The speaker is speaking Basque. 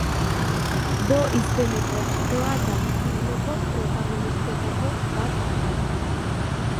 Bo izeneko astoa da filmeko protagonistetako bat da.